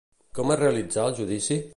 Com es realitzarà el judici?